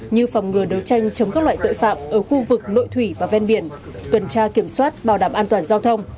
như phòng ngừa đấu tranh chống các loại tội phạm ở khu vực nội thủy và ven biển tuần tra kiểm soát bảo đảm an toàn giao thông